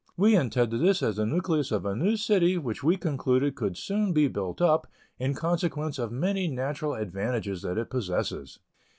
We intended this as the nucleus of a new city, which we concluded could soon be built up, in consequence of many natural advantages that it possesses.